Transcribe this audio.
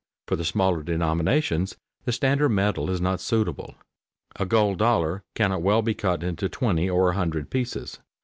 For the smaller denominations the standard metal is not suitable. A gold dollar cannot well be cut into twenty or a hundred pieces.